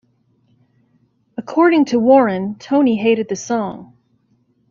According to Warren, Toni hated the song.